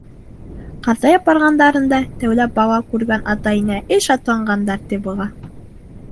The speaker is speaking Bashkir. Ҡартайып барғандарында тәүләп бала күргән ата-инә эй шатланғандар, ти, быға!